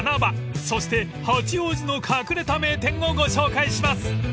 ［そして八王子の隠れた名店をご紹介します］